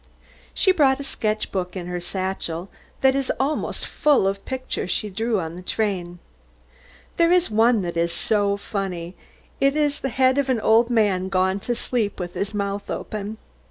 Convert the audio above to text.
She brought a sketch book in her satchel that is almost full of pictures she drew on the train. There is one that is so funny. It is the head of an old man, gone to sleep with his mouth open.